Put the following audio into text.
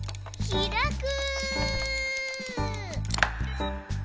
ひらく。